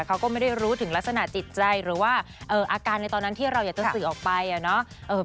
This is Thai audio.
เขาก็ไม่ได้รู้ถึงลักษณะจิตใจหรือว่าอาการในตอนนั้นที่เราอยากจะสื่อออกไปอะเนาะ